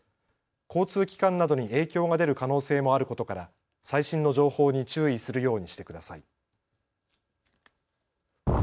交通機関などに影響が出る可能性もあることから最新の情報に注意するようにしてください。